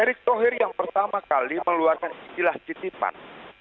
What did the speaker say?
erik tohir yang pertama kali mengeluarkan istilah titipan